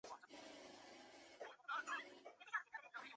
兰卡斯特郡领地阿尔弗斯顿的伯基特男爵。